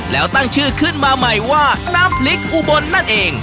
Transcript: แล้วตั้งชื่อขึ้นมาใหม่ว่าน้ำพริกอุบลนั่นเอง